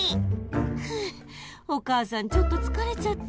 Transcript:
ふうお母さんちょっとつかれちゃった。